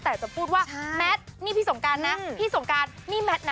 แต่จะพูดว่าแมทนี่พี่สงการนะพี่สงการนี่แมทนะ